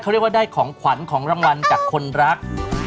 เขาเรียกว่าได้ของขวัญของรางวัลจากคนรัก